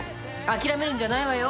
諦めるんじゃないわよ！